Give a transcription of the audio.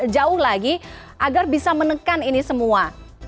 jauh lagi agar bisa menekan ini semua